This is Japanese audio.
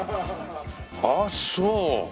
ああそう。